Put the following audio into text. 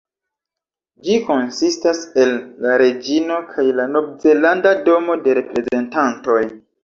Ĝi konsistas el la Reĝino kaj la Novzelanda Domo de Reprezentantoj.